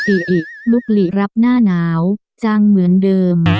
อิอิลุกหลีรับหน้าหนาวจังเหมือนเดิม